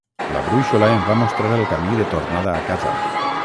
La brúixola em va mostrar el camí de tornada a casa.